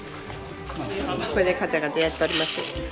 これでカチャカチャやっとります。